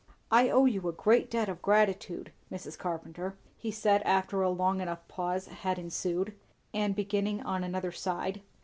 "I owe you a great debt of gratitude, Mrs. Carpenter," he said after a long enough pause had ensued, and beginning on another side.